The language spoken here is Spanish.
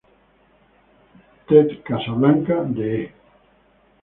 Ted Casablanca de E!